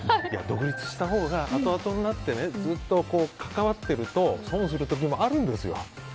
独立したほうがあとあとになってずっと関わっていると損する時もあるんですよ。